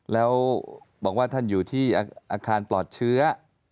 แล้วบอกว่าท่านอยู่ที่อาคารปลอดเชื้อ